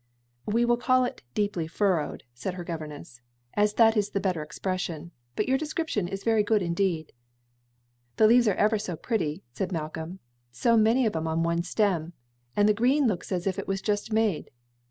"We will call it 'deeply furrowed,'" said her governess, "as that is a better expression; but your description is very good indeed." "The leaves are ever so pretty," said Malcolm "so many of 'em on one stem! and the green looks as if it was just made."